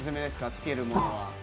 つけるものは。